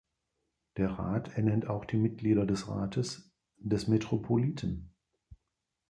Der Rat ernennt auch die Mitglieder des Rates des Metropoliten.